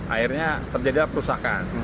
akhirnya terjadi perusahaan